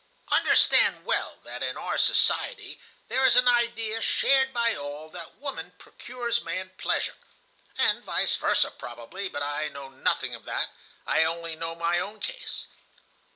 Understand well that in our society there is an idea shared by all that woman procures man pleasure (and vice versa, probably, but I know nothing of that, I only know my own case).